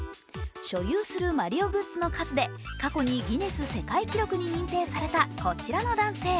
所有するマリオグッズの数で過去にギネス世界記録に認定されたこちらの男性。